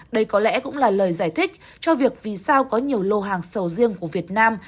đây có lẽ cũng là lời giải thích cho việc vì sao có nhiều lô hàng sầu riêng của việt nam